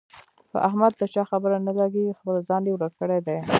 په احمد د چا خبره نه لګېږي، خپل ځان یې ورک کړی دی.